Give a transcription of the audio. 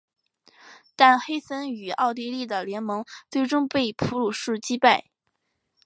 但黑森与奥地利的联盟最终被普鲁士击败。